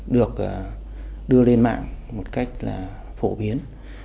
được đưa lên mạng một cách là phổ biến